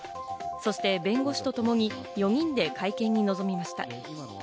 そして弁護士と共に４人で会見に臨みました。